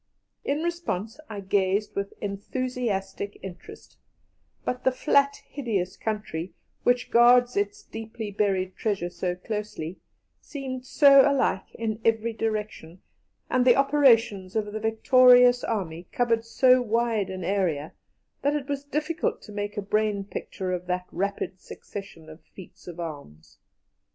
In response I gazed with enthusiastic interest, but the flat, hideous country, which guards its deeply buried treasure so closely, seemed so alike in every direction, and the operations of the victorious army covered so wide an area, that it was difficult to make a brain picture of that rapid succession of feats of arms.